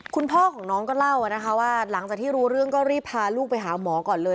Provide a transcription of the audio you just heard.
คุณพ่อของน้องก็เล่านะคะว่าหลังจากที่รู้เรื่องก็รีบพาลูกไปหาหมอก่อนเลย